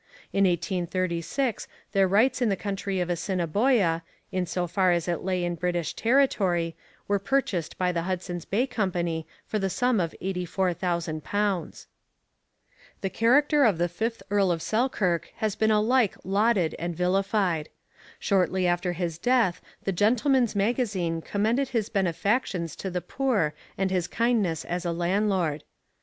In 1836 their rights in the country of Assiniboia, in so far as it lay in British territory, were purchased by the Hudson's Bay Company for the sum of £84,000. The character of the fifth Earl of Selkirk has been alike lauded and vilified. Shortly after his death the Gentleman's Magazine commended his benefactions to the poor and his kindness as a landlord.